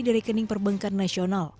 dari kening perbankan nasional